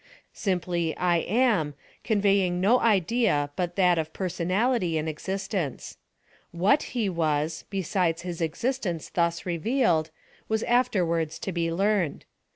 Simply ' I am,' conveying no idea but that of personality and existence. What He was, oesides his existence thus revealed, was afterwards to be learned.